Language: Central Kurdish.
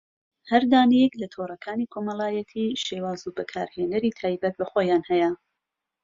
هەر دانەیەک لە تۆڕەکانی کۆمەڵایەتی شێواز و بەکارهێنەری تایبەت بەخۆیان هەیە